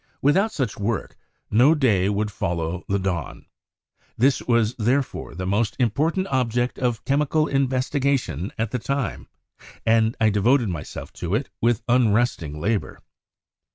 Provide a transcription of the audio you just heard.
Without such work, no day would follow the dawn. This was therefore the most important object of chemical investigation at the time, and I devoted myself to it with unresting labor.